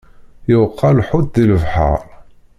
Yuqa lḥut di lebḥeṛ.